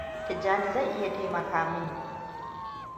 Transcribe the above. Tijjani zai iya taimaka mini.